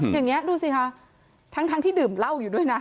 อย่างนี้ดูสิคะทั้งที่ดื่มเหล้าอยู่ด้วยนะ